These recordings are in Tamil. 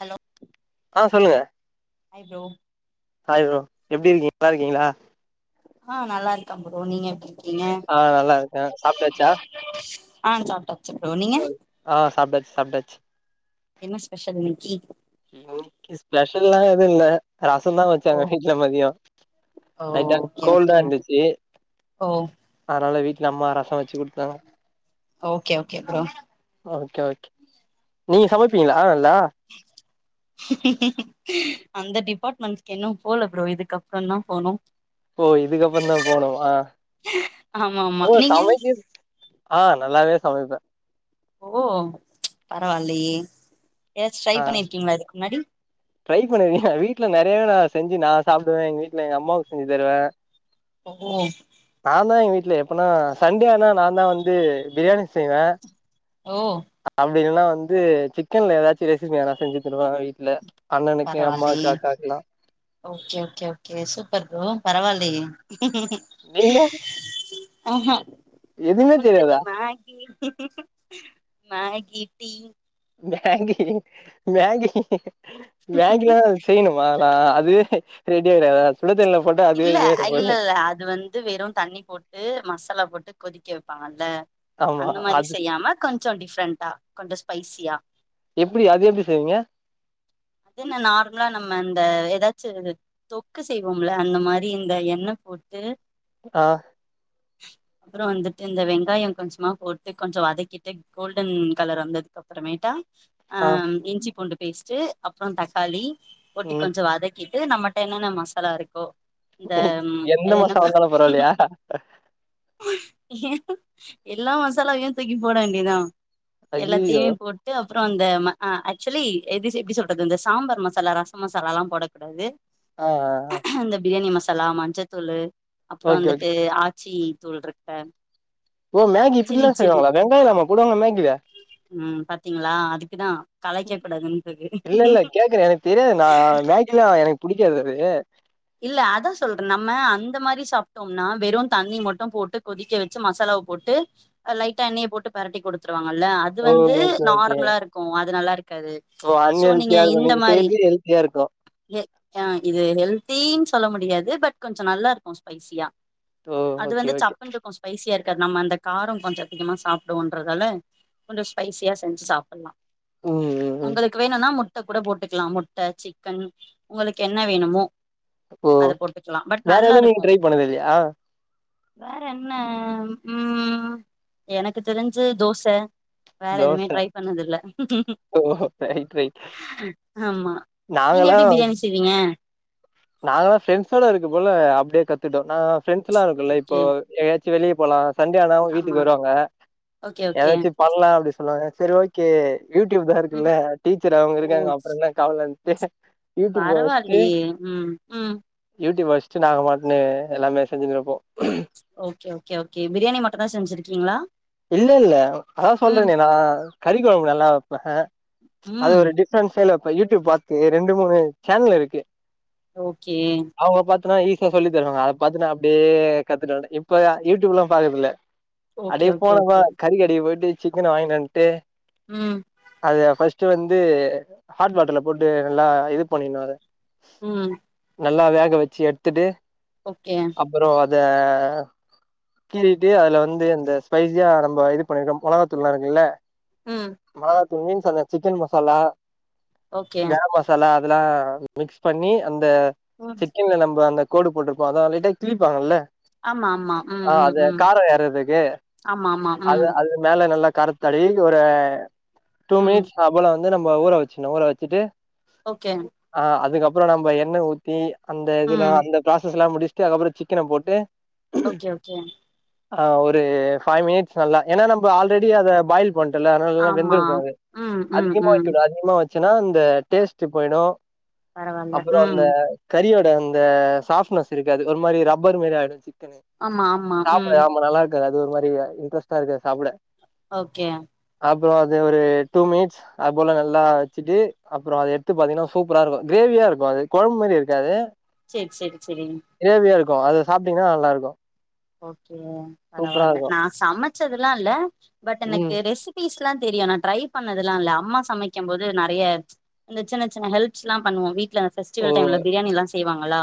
ஹலோ ஆ சொல்லுங்க ஹாய் ப்ரோ ஹாய் ப்ரோ எப்டி இருக்கீங்க நல்லாருக்கீங்களா ஆ நல்லாருக்கன் ப்ரோ நீங்க எப்டி இருக்கீங்க ஆ நல்லாருக்கே சாப்டாச்சா ஆ சாப்டாச்சு ப்ரோ நீங்க ஆ சாப்டாச்சு சாப்டாச்சு என்ன ஸ்பெஷல் இன்னிக்கி ஸ்பெசல்லா எது இல்ல ரச தா வச் ஓ சமைக்கிள மதிய ஓ லைட்டா ஓகே கோல்டா ஓகே இருந்துச்சு ஓ அதனால வீட்டு்ல அம்மா ரச வச்சு கொடுத்தாங்க okay okay bro okay okay நீங்க சமைப்பீங்களா நல்லா ஹே அந்த டிபார்ட்மெண்ட்க் இன்னு போல ப்ரோ இதுக்கப்பற தா போனு ஓ இதுக்கப்பற தா போனுமா ஆமா ஆமா ஓ நீங்க சமைக்க ஆ நல்லாவே சமைப்ப ஓ பரவாயில்லயே ஏதாச்சு ட்ரை ஆ பண்ணிருக்கீங்களா இதுக்கு முன்னாடி ட்ரை பண்ணியிருக்க வீட்டுல நெறையவே நா செஞ்சு நா சாப்புடுவ எங்க வீட்டுல எங்க அம்மாவுக்கு செஞ்சு தருவ ஓ நாதா எங்க வீட்டுல எப்பனா சண்டே ஆனா நா தா வந்து பிரியாணி செய்வ ஓ அப்டி இல்லன்னா வந்து சிக்கன்ல ஏதாச்சு ரெசிப்பி எதனா செஞ்சு கொடுப்ப வீட்டுல பரவால்லயே okay okay okay super bro பரவால்லயே நீங்க ஆ எதுமே நம்மளுக்கு இந்த தெரியாதா மகி மகி டீ மகி மகி மகில்லா செய்யணுமா அதுலா அதுவே ரெடி ஆகிறதா சுடு தண்ணீல போட்டா அதுவே சுடு தண்ணில போட்டா அதுவே இல்ல ரெடி ஆகிற இல்ல போகுது இல்ல அது வந் வந்து வெறு தண்ணி போட்டு மசாலா போட்டு கொதிக்க வைப்பாங்கல்ல ஆமா அந்த மாதிரி அது செய்யாம கொஞ்சோ டிஃப்ரெண்டா கொஞ்சோ ஸ்பைசியா எப்டி அது எப்டி செய்வீங்க என்ன நார்மலா நம்ம இந்த ஏதாச்சு தொக்கு செய்வோம்ல அந்த மாதிரி இந்த எண்ண போட்டு ஆ அப்பற வந்துட்டு இந்த வெங்காய கொஞ்சமா போட்டு கொஞ்ச வதக்கிட்டு கோல்டன் கலர் வந்ததுக்கப் அப்பறமேட்டா அ ஆ இஞ்சி பூண்டு பேஸ்ட்டு அப்றோ தக்காளி போட்டு ம் கொஞ்சோ வதக் க்கிட்டு நம்மள்ட்ட என்னென்ன மசாலா இருக்கோ இந்த எந்த அது மசாலா என்னப்பா இருந்தாலு பரவாயில்லையா எல்லா மசாலாவையு தூக்கி போட வேண்டியதா ஐய்யய்யோ எல்லாத்தையுமே போட்டு அப்புற அந்த அ ஆக்சுவலி எப்டி எப்டி சொல்றது அது இந்த சாம்பார் மசாலா ரச மசாலால்லா போடக்கூடாது ஆ ஆ ஆ இந்த பிரியாணி மசாலா ம ஞ்சத்தூள் அப்பற ஓகே ஓகே வந்துட்டு ஆச்சி தூள் இருக்குல்ல ஓ மாகி இப்டில்லா செய்வாங்களா வெங்காயலாமா போடுவாங்கலா மகில ம் பாத்தீங்களா அதுக்குதா கலாய்க்க கூடாதுன்றது இல்ல இல்ல கேக்குற எனக்கு தெரியாதுங்க மகில்லா எனக்கு புடிக்காது அது இல்ல அதா சொல்ற நம்ம அந்த மாதிரி சாப்ட்டோம்னா வெறு தண்ணி மட்டு போட்டு கொதிக்க வச் ச்சு மசாலாவப் போட்டு லைட்டா எண்ணைய போட்டு பெரட்டி குடுத்துருவாங்கல்ல அது ஓ வந்து ஓகே ஓகே நார்மலா இருக் கு அது நல்லா இருக்காது ஓ சோ அன்ஹெல்தியா இருக்கு நீங்க செய்றது ஹெல்தியா இருக்கும் அ இது ஹெல்தின்னு சொல்ல முடியாது பட் கொஞ்ச நல்லா இருக்கும் ஸ்பைசியா ஓ அது ஓகே வந்து ஓகே சப்புன்ருக்கும் ஸ்பைசியா இருக்காது நம்ம அந்த காரோ கொஞ்ச அதிகமாக சாப்பிடுவோன்றதால கொஞ்ச ஸ்பைசியா செஞ்சு சாப்புட்லா ம் ம் ம் உங்குளுக்கு வேணுன்னா முட் முட்ட கூட போட்டுக்கலா முட்ட சிக்கன் உங்குளுக்கு என்ன வேணுமோ ஓ அத போட்டுக்கலா பட் வேற நல்லா எதுவு நீங்க இருக்கு ட்ரை பண்ணது இல்லையா வேற என்ன ம் எனக்கு தெரிஞ்சு தோச வேற எதுவுமே தோச ட்ரை பண்ணது இல்ல ஓ ரைட் ரைட் ஆமா நீங்க நாங்கல்லா எப்டி பிரியாணி செய்வீங்க நாங்கல்லா ஃப்ரெண்ட்ஸோட இருக்க போல அப்டியே கத்துட்டோ நா ஃப்ரெண்ட்ஸெல்லா இருக்கோல இப்போ ஓகே எங்கயாச்சு வெளிய போலா சண்டே ஆனா அவுங்க ஆமா வீட்டுக்கு வருவாங்க ஓகே ஓகே எதாச்சு பண்லா அப்டி சொல்லுவாங்க சரி ஓகே யூ டியூப் தா ம் இருக்குல்ல டீச்சர் அவுங்க ஓ இருக்காங்க அப்புறோ இன்னா கவலென்ட்டு யூ ட்யூப வெச்ட்டு பரவாயில்லயே ம் ம் யூ டியூப் வெச்ட்டு நாங்க பாட்னு எல்லாமே செஞ்சுனுருப்போ ஓகே ஓகே ஓகே பிரியாணி மட்டுந்தா செஞ்சிருக்கீங்களா இல்ல இல்ல அதா ம் சொல்றேனே நான் கறி கொழம்பு நல்லா வெப்பே அது ம் ஒரு டிஃப் ரெண்ட் ஸ்டைல்ல வெப்பே யூ டியூப் பாத்து ரெண்டு மூணு சேனல் இருக்கு ஓகே அவுங்க பாத்தனா ஈஸியா சொல்லி தருவாங்க அத பாத்துன்னா அப்டியே கத்துட்டு வந்டே இப்ப யூடியூப்லா பாக்குறதுல்ல ஓகே ஓகே போனமா ஓகே கறி கடைக்கு போயிட்டு சிக்கன வாங்கினு வன்ட்டு உம் அது ஃபர்ஸ்ட் வந்து ஹாட் வாட்டர்ல போட்டு நல்லா இது பண்ணிணோ அத உம் நல்லா வேக வெச்சு எடுத்துட்டு ஓகே அப்புறோ அத கீறிட்டு அதுல வந்து அந்த ஸ்பைசியா நம்ம இது பண்ணிருக்கோ மொளகாத்தூள்லா இருக்குல உம் மொளகாத்தூள் மீன்ஸ் அந்த chicken masala okay garam masala அதெல்லா மிக்ஸ் பண்ணி அந்த ம் சிக்கன நம்ப அந்த கோடு போட்டுருக்கோ அத லைட்டா கிழிப்பாங்கல்ல ஆமா ஆமா ம் அ ம் அத ம் காரோ ஏறதுக்கு ஆமா ஆமா அது ம் அது மேல நல்லா காரத்த தடவி ஒரு டூ ம் மினிட்ஸ் அதுபோல வந்து நம்போ ஊற வெச்சிருணோ ஊற வெச்சிட்டு ஓகேங்க அ அதுக்கப்பறோ நம்ப எண்ண ஊத்தி அந்த இதுலா ம் அந்த ப்ராசஸ் எல்லா முடிச் ட்டு அதுக்கப்பறோ சிக்கன போட்டு ஓகே ஓகே அ ஒரு ஃபை மினிட்ஸ் நல்லா ஏன்னா நம்ப ஆல்ரெடி அத பாயில் பண்டோல அதனாலல்லா ஆமா வெந்துருக்கோ அது ம் ம் அதிகமா ம் வெக்கூடாது அதிகமா வெச்சோனா இந்த டேஸ்ட்டு போயிடோ பரவால்ல அப்பறோ ம் அந்த கறியோட அந்த சாஃப்ட்னஸ் இருக்காது ஒரு மாரி ரப்பர் மாரி ஆயிடோச்சி சிக்கனு ஆமா ஆமா சாப்புட ம் ஆமா நல்லா இருக்காது அது ஒரு மாரி இன்ட்ரெஸ்ட்டா இருக்காது சாப்புட ஓகே அப்பறோ அது ஒரு டூ மினிட்ஸ் அது போல நல்லா வெச்சுட்டு அப்பறோ அத எத்து பாத்தீங்கன்னா சூப்பரா இருக்கோ கிரேவியா இருக்கோ அது கொழம்பு மாறி இருக்காது செரி செரி செரிங்க கிரேவியா இருக்கோ அத சாப்ட்டீங்கன்னா நல்லா இருக்கோ ஓகே பரவால்ல நா சமச்சதுலா இல்ல பட் எனக்கு ம். ரெசி பீஸ்லா தெரியு நா ட்ரை பண்ணதுலா இல்ல அம்மா சமைக்கு போது நறிய இந்த சின்ன சின்ன ஹல்ப்ஸ்லா பண்ணுவோ வீட் ல ஓ! ஃபெஸ்டிவல் டைம்ல பிரியாணில்லா செய்வாங்களா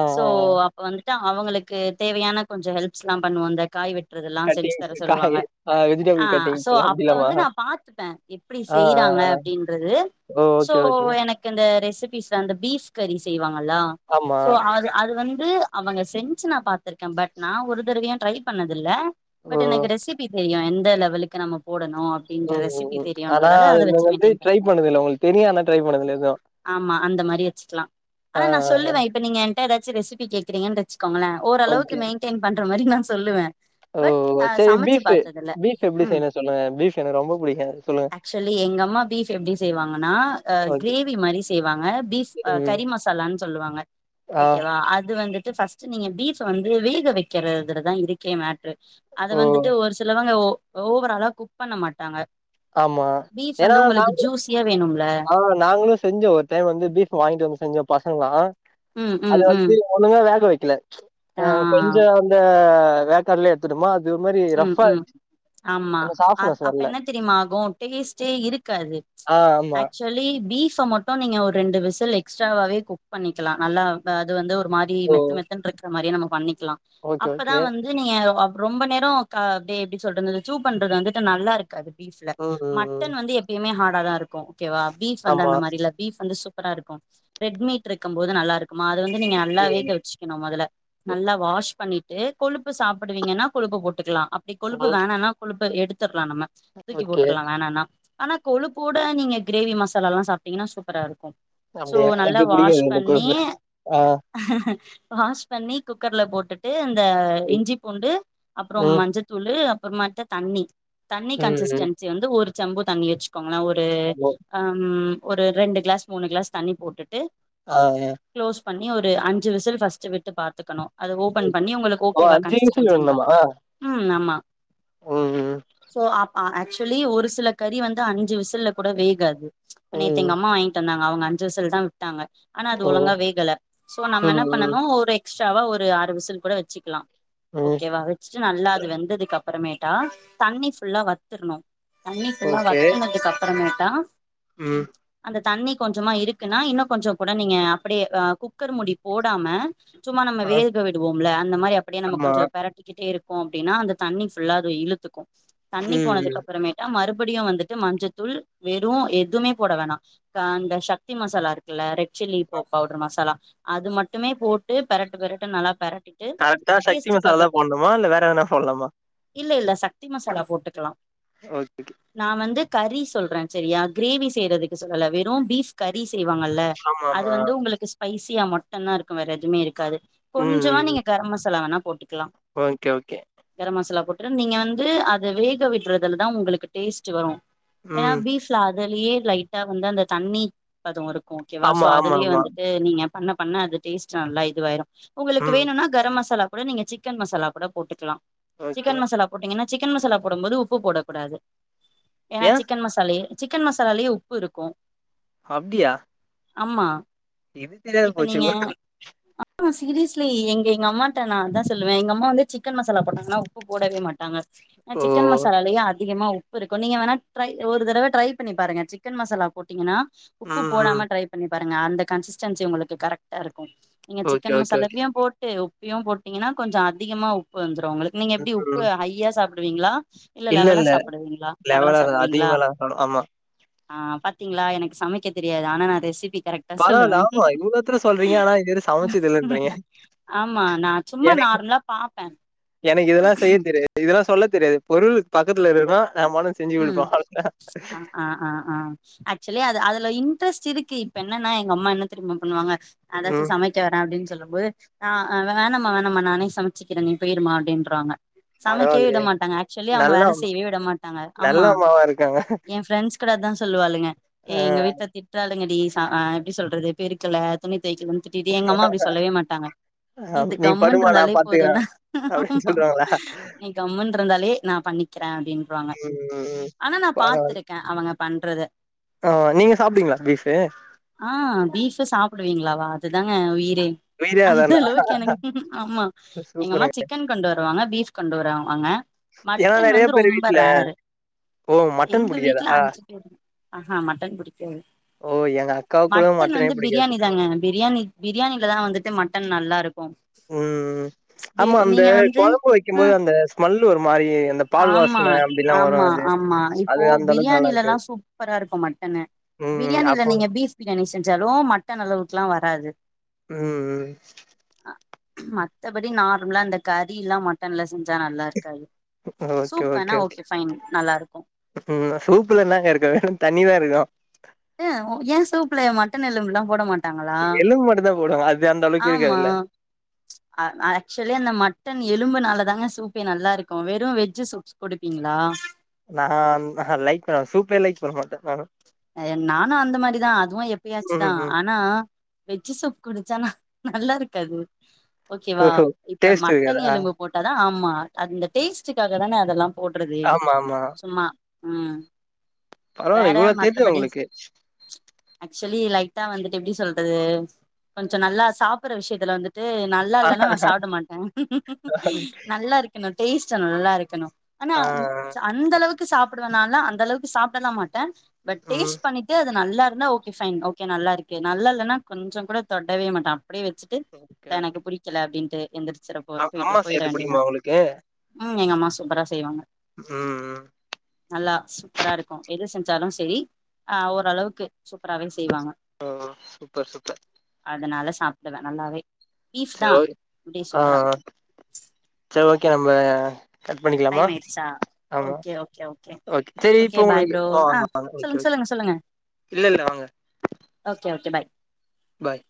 ஆ, சோ ஆ, ஆ. அப்ப வந்துட்டு அவங்களுக்கு தேவையான கொஞ்சோ ஹெல்ப்ஸ்லா பண்ணுவோ அந்த காய் வெட்றதல்லா செஞ்சு கட்டிங்ஸ் தர காய் சொல்லுவாங்க ஆ வெஜிடபிள் அ சோ கட்டிங்ஸ் அப்ப அப்டிலாமா? வந்து நா பாத் த்துப்பே எப்டி ஆ, ஆ, செய்றாங்க ஆ. அப்டின்றது ஓ ஓகே ஓகே அந்த ரெசிபிஸ்ல அந்த பீஃப் கறி செய்வாங்களா ஆமா. சோ அது அது வந்து அவங்க செஞ்சு நா பாத்துர்க்கே பட் நா ஒரு தடவயு ட்ரை பண்ணதில்ல ஓ! பட் எனக்கு ரெசிபி தெரியு எந்த லெவலுக்கு நம்ம போடணு அப் ம் ம் ம் ஆனா அது அது வந்து ட்ரை பண்ணிக்கணு பண்ணதுல்ல உங்களுக்கு தெரியு ஆனா ட்ரை பண்ணதுல்ல எதுவு ஆமா அந்த மாரி வச்சுக்லா ஆனா நா ஆ, ஆ. சொல்லுவே இப்ப நீங்க எதாச்சு ரெசிபி கேக்றீங்க வச்சுக்கோங்களே ஓரளவுக்கு ஓகே. மெயின்டெய்ன் பண்ற மாரி நா சொல்லுவே ஓ பட் அ அச் செரி சமைச்சு பீஃப் பாத்ததில்ல பீஃப் எப்டி ம் செய்றதுனு சொல்லுங்க பீஃப் எனக்கு ரொம்ப புடிக்கு சொல்லுங்க ஆக்சுவலி எங்க அம்மா பீஃப் எப்டி செய்வாங்கன்னா அ ஓகே. க்ரேவி மாரி செய்வாங்க பீஃப் ம். கறி மசாலான்னு சொல்லுவாங்க ஆ. ஓகேவா அது வந்துட்டு ஃபஸ்ட் நீங்க பீஃப் வந்து வேக வக்குறதுலதா இருக்கே மேட்ரு அத ஓ வந்துட்டு ஒரு சிலவங்க ஓ ஓவராலா குக் பண்ண மாட்டாங்க ஆமா பீஃப் ஏன்னா வந்து நா உங்களுக்கு ஜூஸியா வேணுல்ல ஆ நாங்களு செஞ்சோ ஒரு டைம் வந்து பீப் வாங்கிட்டு வந்து செஞ்சோ பசங்கல்லா ம் அது ம் வந்து ம் ஒழுங்கா வேக வெக்கல ஆ கொஞ்சோ அந்த வே ட்காட்லயே எடுத்துட்டுமா அது ஒருமாரி ரப்பா ஆம்மா அப் அப்ப என்ன தெரியுமா ஆகு டேஸ்டே இருக்காது ஆ ஆமா ஆக்சுவலி பீப்ப மட்டு நீங்க ஒரு ரெண்டு விசில் எக்ஸ்ட்றாவாவே குக் பண்ணிக்லா நல்லா இப்ப அது வந்து மாரி ஓ மெத்து மெத்துன்ருக்கிற மாரி நம்ம பண்ணிக்கலாம் ஓகே அப்பதா ஓகே வந்து நீங்க ரொம்ப நேரோ இன்னோ கா அப்டி எப்டி சொல்றது சூப் பண்றது வந்துட்டு நல்லா இருக்காது பீப்ல ம் ம் ம் மட்டன் வந்து எப் எப்பயுமே ஹா டா தா இருக்கு ஓக்கேவா பீப் வந்து ஆமா அந்த மாரில பீப் வந்து சூப்பரா இருக்கு ரெட் மீட் இருக்கும்போது நல்லா இருக் மா அது வந்து நீங்க நல்லா ம் வேக வச்சுக்கணு மொதல்ல நல்லா வாஷ் பண்ணிட் இதே கொழுப்பு சாப்பிடுவீங்கன்னா கொழுப்பு சாப்புடுவீங்கனா போட்டுக்கலாம் அப்டி கொழுப்பு ம் வேணான்னா கொழுப்ப எடுத்தற்லா நம்ம தூக்கி ஓகே போட்டுர்லா வேணான்னா ஆனா கொழுப்போட நீங்க க்ரேவி மசாலாலெல்லா சாப்டிங்கன்னா சூப்பரா இருக்கும் சோ அப்டியா நல்லா எனக்கு வாஷ் புடிக்காது அந்த பண்ணி கொழுப்பு ஆ வாஷ் பண்ணி குக்கர்ல போட்டுட்டு அந்த ம் இஞ்சி பூண்டு அப்றோம் ம் மஞ்சத் தூளு அப்பற்மாட்டு தண்ணி தண்ணி ம் ம். கன்சிடன்சி வந்து ஒரு செம்பு தண்ணி வச்சுக் கம்னா ஒரு ஆமா அம் ஒரு ரெண்டு க்ளாஸ் மூணு க்ளாஸ் தண்ணி போட்டுட்டு ஆ அ க்ளோஸ் பண்ணி ஒரு அஞ்சு விசில் ஃபஸ்ட்டு விட்டு பாத்துக்கணு அத ஓபன் ஓகே பண்ணி உங்களுக்கு ஓ ஓக்கேவா அஞ்சு விசில் கன்சிஸ்டன்சின்னு விடணுமா பாத்து ம் ஆமா ம் ம் சோ அப் அ ஆக்சொலி ஒரு சில கறி வந்து அஞ்சு விசில்ல கூட வேகாது நேத்து ம் எங்க அம்மா வாங்கிட்டு வந்தாங்க அவுங்க அஞ்சு விசில்தா விட்டாங்க ஆனா அது ஓ ஒழுங்கா வேகல சோ நம்ம ம் என்ன ம் பண்ணனு ஒரு எக்ஸ்ட்ராவா ஒரு ஆறு விசில் கூட வெச்சுக்கலா ம் ஓக்கேவா வச்சுட்டு நல்லா அது வெந்ததுக்கு அப்பறமேட்டா தண்ணி ஃபுல்லா வத்துணு தண்ணி ஃபுல்லா ஓகே வத்துனதுக்கு அப்பறமேட்டா ம் அந்த தண்ணி கொஞ்சமா இருக்குன்னா இன்னு கொஞ்ச கூட நீங்க அப்டியே அ குக்கர் மூடி போடாம சும்மா நம்ம ஆ வேக விடுவோம்ல அந்த மாரி அப்டியே நம்ம ஆமா கொஞ்ச பெரட் டிட்டே இருக்கோ அப்டின்னா அந்த தண்ணி ஃபுல்லா அது இழுத்துக்கு தண்ணி ம் போனதுக்கு ம் அப்பறமேட்டு ட்டா மறுபடியு வந்துட்டு மஞ்சதூள் வெறு எதுவுமே போட வேணா அதா அந்த சக்தி மசாலா இருக்குல்ல ரெட் சில்லி போ பவுடர் மசாலா அது மட்டுமே போட்டு பெரட்டு பெரட்டுன்னு நல்லா பெரட்டி கரெக்டா சச்தி மசாலா தா போடனுமா இல்ல வேற எதனா போடலாமா இல்ல இல்ல சக்தி மசாலா போட்டுக்கலா [unintelligible] நான் வந்து கறி சொல்றேன் செரியா கிரேவி செய்யறத்துக்கு சொல்லல வெறும் பீப் கறி செய்வாங்கல்ல ஆமா அது ஆமா வந்து உங்களுக்கு பைசியா மட்டும்தான் இருக்கும் வேற எதுவுமே இருக்காது கொஞ்சமா நீங்க கரம்மசாலா வேணா போட்டுக்கலாம் ஓக்கே ஓக்கே கரம் மசாலா போட்டு நீங்க வந்து அத வேக விற்றதுலதான் உங்களுக்கு டேஸ்ட் வரும் ஏன்னா ம் பீப் அதுலயே லைட்டா வந்து அந்த தண்ணி பதம் இருக்கும் ஓக்கேவா சோ ஆமா ஆமா அதுலயே ஆமா வந்துட்டு நீங்க பண்ண பண்ண அது டேஸ்ட் நல்லா இதுவாரும் உங்களுக்கு ம் வேணும்னா கூட கரம் மசாலா கூட நீங்க சிக்கன் மசால மசாலாகூட போட்டுக்கலாம் ஓகே சிக்கன் மசாலா போட்டீங்கன்னா சிக்கன் மசாலா போடும்போது உப்பு போடக்கூடாது ஏன்னா ஏ சிக்கன்மசாலையே சிக்கன் மசாலேயே உப்புருக்கும் அப்டியா ஆம்மா இது தெரியாத இப்ப போச்சு நீங்க ஆமா சீரியஸ்லி எங்க எங்க அம்மாட்ட நா அதா சொல்லுவேன் எங்க அம் மாலா வந்து சிக்கன் மசாலா போட்டாங்கன்னா உப்பு போடவே மாட்டாங்க ஆனா ஓ சிக்கன் மசா லாலே அதிகமா உப்பு இருக்கும் நீங்க வேணா ட்ரை ஒரு தடவ ட்ரை பண்ணி பாருங்க சிக்கன் மசாலா போட்டிங்கன்னா உப்பு ம் ம் போடாம ட்ரை பண்ணி பாருங்க அந்த கன்சிடன்சி உங்களுக்கு கரெக்டா இருக்கும் நீங்க ஓகே சிக்கன் ஓகே ஓகே மசாலாவையும் போட்டு உப்பையும்போட்டீங்கன்னா கொஞ்சம் அதிகமா உப்புவந்துரும் உங்களுக்கு நீங்க எப்டி உப்பு ம் ஹையா சாப்டுவீங்களா இல்ல லெவலா சாப்டுவீங்களா லெவலா சாப்டுவீங்களா அதிகமாலா இருக்கணு ஆமா ஆ பாத்தீங்ளா எனக்கு சமைக்க தெரியாது ஆனா நா ரெசிபி கரெக்ட் பரவால்ல சொல்லுவே ஆமா இவ்ளோத்தூர சொல்றீங்க ஆனா இது வர சமைச்சது இல்லன்றீங்க ஆமா நா சும்மா எனக்கு நார்மலா பாப்பேன் எனக்கு இதெல்லாம் செய்ய தெரியாது இதெல்லாம் சொல்ல தெரியாது பொருள் பக்கத்துலருனா நாமானு ம் செஞ்சுகுடுப்போம் அவ்தான் ஆ ஆ ஆ ஆக்சுவலா அது அதுல இன்ட்ரெஸ்ட்டிருக்கு இப்ப என்னன்னா யெங்க அம்மா யென்னதெரிமா பண்ணுவாங்க அதாச்சும் ம் சமை ச்சுட்டு வரேன் அப்டின்னு சொல்லும்போது அ வேணம்மா வேணம்மா நானே சமச்சிக்கிறேன் நீ பெயிருமா அப்டின்றாங்க சமைக்கவே விட பரவால்லயே மாட்டாங்க ஆக்சுவலி அவங்க வேலை நல்லா செய்யவே விட மாட்டாங்க நல்ல ஆமா அம்மாவா இருக்காங்க என் ஃப்ரெண்ட்ஸ் கூட அதான் சொல்லுவாளுங்க யெங்க வீட்ல தி்ட்ராளுங்கடி ச அ எப்டி சொல்றது பெருக்கள, துணி துவைக்கலந்திட்டிட்டே யெங்க அம்மா அப்டி சொல்லவே மாட்டாங்க நீ ஆ இது படுமா நா கம்முனிருந்தாலே பாத்துக்கறே போதும்டா அப்டின்னு சொல்றாங்களா கம்முண்ட்ருந்தாலே நான் பண்ணிக்கிறேன் அப்டின்றாங்க ம் ஆனா நான் பரவால்ல பாத்துருக்கேன் அவங்க பண்றத ஆ நீங்க சாப்டுவீங்ளா பீஃபு ஆ பீஃப்பா சாப்பிடுவீங்களாவா அதுதாங்க என் உயிரே உயிரே அந்த அதானா அளவுக்கு எனக்கு ஆமா எங்க அம்மா சூப்பருங்க சிக்கன் கொண்டு வருவாங்க பீஃப் கொண்டு வருவாங்க ஏன் மட்டன் நெறய வந்து பேரு ரொம்ப வீட்ல ரேரு ஓ மட்டன் புடிக்காதா ஆ மட்டன் புடிக்காது ஓ எங்க அக்காவுக்கு கூட மட்டன் மட்டனே வந்து புடிக்காது பிரியாணி சுத்தமா தாங்க பிரியாணி பிரியாணிலதான் வந்துட்டு மட்டன் நல்லாருக்கும் ம் ஆமா அந்த கொழம்பு வைக்கும்போது அந்த ஸ்மெல்லு ஒரு மாரி அந்த பால் ஆமா வாசன அப்டின் ஆமா ஆமா இப்போ இருக்காது பிரியாணிலல்லாம் சூப்பராருக்கும் மட்டனு ம் பிரியாணில அப்போ நீங்க பீஃப் பிரியாணி செஞ்சாலும் மட்டன் அளவுக்குலாம் வராது ம் ம் மத்தபடி நார்மலா இந்த கறில்லாம் மட்டன்ல்ல செஞ்சா நல்லாருக்காது சூப்ப வேனா ஓகே பைன் நல்லாருக்கும் அது சூப்ல என்னாக்காருக்கும் வெறும் தண்ணிதாருக்கும் ஏ ஏன் சூப்ல மட்டன் எலும்பெலாம் போட மாட் எலும்பு மட்டுந்தான் போடுவாங்க அது அந்தளவுக்கு யிருக்காதுல்ல [inaudible] அ ஆக்சுவலி அந்த மட்டன் எலும்புனாலதாங்க சூப்பே நல்லாருக்கு வெறு வெஜி சூப்ஸ் குடிப்பீங்ளா நா நா லைக் பண்ண சூப்பே லைக் பண்ணமாட்டே நானு அய்ய நானு அந்த மாரிதா அதுவு எப்பயாச்சி ம் தா ம் ஆனா வெஜி சூப் குடிச்சானா நல்லாருக்காது ஓகேவா ஓஹோ இப்ப டேஸ்ட் மட்டன் இருக்காதா எலும்பு போட்டாதா ஆமா அந்த டேஸ்ட்டுக்காக தானே அதெல்லா போட்றதே ஆமா ஆமா சும்மா ம் பரவால்ல வேற இவ்ளோ தெரிதா மத்தபடி உங்களுக்கு ஆக்சுவலி லைட்டா வந்துட்டு எப்டி சொல்றது கொஞ்சோ நல்லா சாப்புட்ற விஷயத்துல வந்து ஆ நல்லாயில்லனா நா சாப்ட மாட்டே நல்லாருக்க கனு டேஸ்ட் நல்லாருக்கனு ஆனா ஆ ச அந்த அளவுக்கு சாப்புடுவேனான்னா அந்த அளவுக்கு சாப்டல்லாமாட்டே பட் ம் டேஸ்ட் பண்ணி டு அது நல்லாருந்தா ஓகே பைன் ஓகே நல்லாருக்கு நல்லால்லனா கொஞ்சோ கூட தொடவே மாட்டே அப்டியே வெச்சிட்டு ஓகே எனக்கு ஓகே புடிக்கல அப்டின்ட்டு எந்திரிச் அ அம்மா செய்றது புடிக்குமா உனக்கு ம் எங்க அம்மா சூப்பரா செய்வாங்க ம்ம் நல்லா சூப்பரா இருக்கு எது செஞ்சாலு சேரி ஆ ஓரளவுக்கு சூப் ப்பராவே செய்வாங்க ஓ சூப்பர் சூப்பர் அதனால சாப்டுவே நல்லாவே பீஃப் தா சேரி ஒக்கே அப்டி ஆ சூப்பரா சேரி ஓகே நம்ப கட் பண்ணிக்கலாமா டைம் ஆயிடுச்சா ஆமா ஓகே ஓகே ஓகே சேரி இப்ப பாய் உங்ளுக்கு ப்ரோ ஆ வாங் வாங்க ஓகே சொல்லுங்க ஒகே சொல்லுங்க சொல்லுங்க இல்லல்ல வாங்க ஓகே ஓகே பாய் பாய்